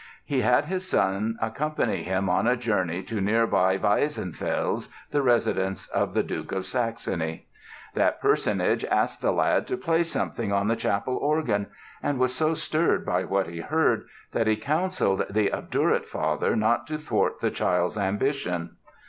He had his son accompany him on a journey to nearby Weissenfels, the residence of the Duke of Saxony. That personage asked the lad to play something on the chapel organ and was so stirred by what he heard that he counselled the obdurate father not to thwart the child's ambition.